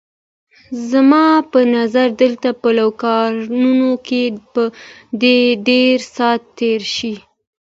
زما په نظر دلته په لوکارنو کې به دې ډېر ساعت تېر شي.